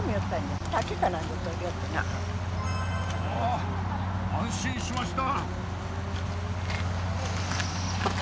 あぁ安心しました。